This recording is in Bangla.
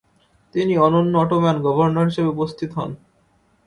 তিনি অনন্য অটোমান গভর্নর হিসাবে উপস্থিত হন।